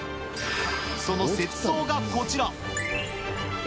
その雪像がこちら。